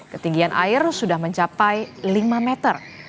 ketinggian air sudah mencapai lima meter